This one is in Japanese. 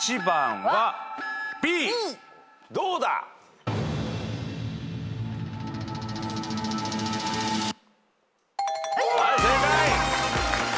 はい正解。